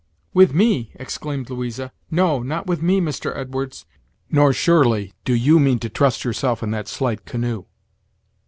"With me!" exclaimed Louisa. "No, not with me, Mr. Edwards; nor, surely, do you mean to trust yourself in that slight canoe."